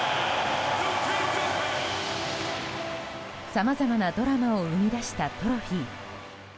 さまざまなドラマを生み出したトロフィー。